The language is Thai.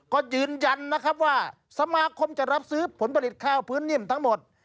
ก็ยืนยันนะครับว่าสมาคมจะรับซื้อผลผลิตข้าวพื้นนิ่มทั้งหมด